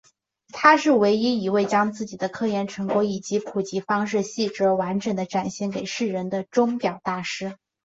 他是唯一一位将自己的科研成果以普及方式细致而完整地展现给世人的钟表大师。